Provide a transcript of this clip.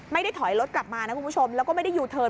ไม่ได้ถอยรถกลับมานะคุณผู้ชมแล้วก็ไม่ได้ยูเทิร์น